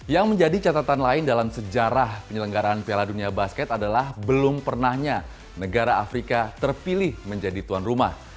yang menjadi catatan lain dalam sejarah penyelenggaraan piala dunia basket adalah belum pernahnya negara afrika terpilih menjadi tuan rumah